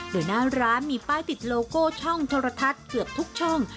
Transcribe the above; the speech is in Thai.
โดยหน้าร้านมีป้ายติดโลโก้ช่องโทรทัศน์เกือบทุกช่อง